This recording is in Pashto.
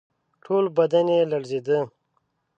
ټول بدن یې لړزېده.